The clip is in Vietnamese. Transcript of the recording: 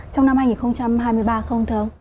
trong năm hai nghìn hai mươi ba không thơ